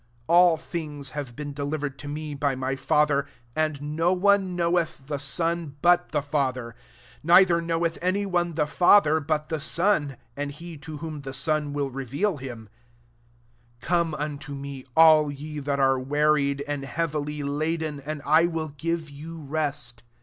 27 \ll things have been delivered to me by my Father: and no one knoweth the Son, but the Father; neither knoweth any one the Father but the Son, and he to whom the Son will reveal him, 28 Come unto me all yc that are wearied and heavily laden ; and I will give you rest.